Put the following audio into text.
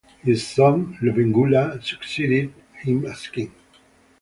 His son, Lobengula, succeeded him as king.